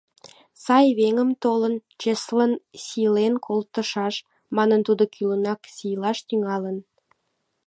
— Сай веҥым толын, чеслын сийлен колтышаш, — манын, тудо кӱлынак сийлаш тӱҥалын.